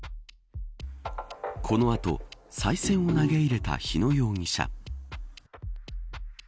この後、さい銭を投げ入れた日野容疑者。